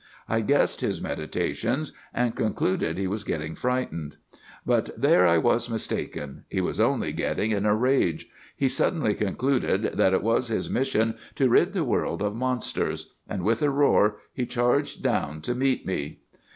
I guessed his meditations, and concluded he was getting frightened. "'But there I was mistaken. He was only getting in a rage. He suddenly concluded that it was his mission to rid the world of monsters; and with a roar he charged down to meet me.